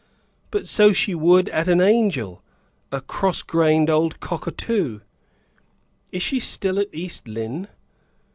But so she would at an angel; a cross grained old cockatoo!" "Is she still at East Lynne?"